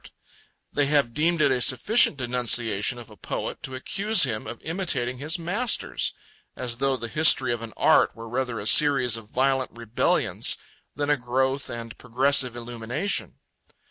They have deemed it a sufficient denunciation of a poet to accuse him of imitating his masters; as though the history of an art were rather a series of violent rebellions than a growth and a progressive illumination.